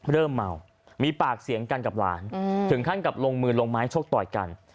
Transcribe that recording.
เริ่มเมามีปากเสียงกันกับหลานถึงขั้นกับลงมือลงไม้ชกต่อยกัน